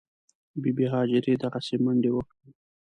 بي بي هاجرې دغسې منډې وکړې.